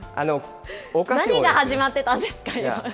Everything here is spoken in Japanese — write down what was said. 何が始まってたんですか、今。